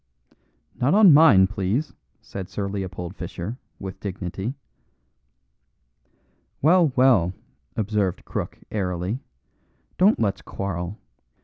"Not on mine, please," said Sir Leopold Fischer, with dignity. "Well, well," observed Crook, airily, "don't let's quarrel.